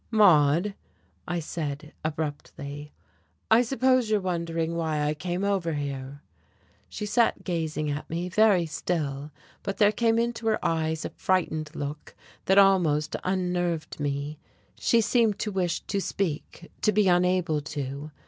"Maude," I said abruptly, "I suppose you're wondering why I came over here." She sat gazing at me, very still, but there came into her eyes a frightened look that almost unnerved me. She seemed to wish to speak, to be unable to.